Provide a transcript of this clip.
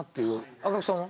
赤木さんは？